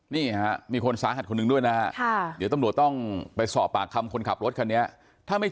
นี่ฮะมีคนสาหัสคนหนึ่งด้วยนะฮะเดี๋ยวตำรวจต้องไปสอบปากคำคนขับรถคันนี้ถ้าไม่